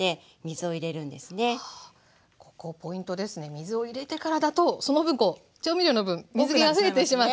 水を入れてからだとその分こう調味料の分水けが増えてしまって。